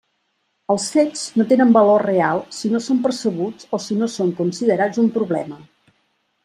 Els fets no tenen valor real si no són percebuts o si no són considerats un problema.